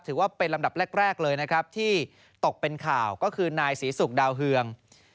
ถือว่าเป็นลำดับแรกเลยนะครับที่ตกเป็นข่าวก็คือนายศรีศุกร์ดาวเฮือง